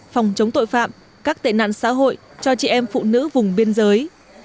phòng chống tội phạm các tệ nạn xã hội cho chị em phụ nữ vùng biên giới